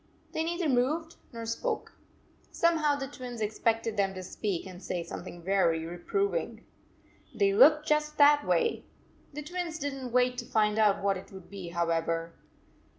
They neither moved nor spoke. Some how the Twins expected them to speak and say something very reproving. They looked just that way. The Twins did n t wait to find out what it would be, however.